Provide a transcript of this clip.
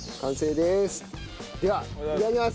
ではいただきます。